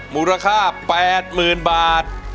มูลค่า๘๐๐๐บาท